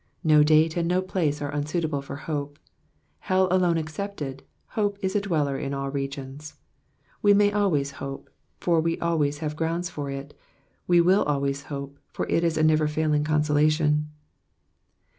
;No date and no place are uosaitable for hope. Hell alone excepted, hope is a dwelier in all regions. We maj always hope, for we always have grounds for it : we will always hope, for it is a nev^er failing consolation.